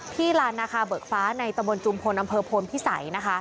ที่ลานนาคาเบิกฟ้าในตะวันจุมพลอำเภอพรพิสัย